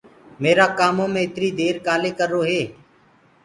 ميرآ ڪآمو مي اِتري دير ڪآلي ڪررو هي۔